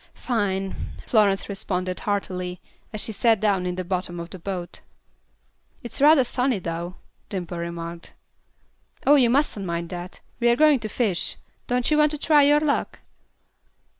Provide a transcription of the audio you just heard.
"Fine," Florence responded, heartily, as she sat down in the bottom of the boat. "It's rather sunny, though," Dimple remarked. "Oh, you mustn't mind that. We're going to fish. Don't you want to try your luck?"